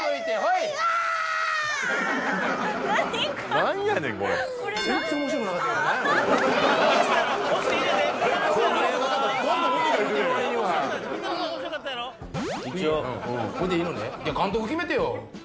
いや監督決めてよ